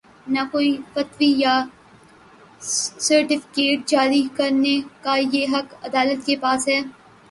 نہ کوئی فتوی یا سرٹیفکیٹ جاری کر نے کا یہ حق عدالت کے پاس ہے۔